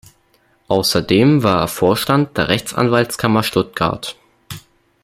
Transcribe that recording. Außerdem war er Vorstand der Rechtsanwaltskammer Stuttgart.